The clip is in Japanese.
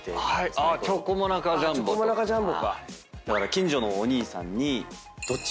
近所のお兄さんに。